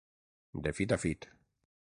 De fit a fit.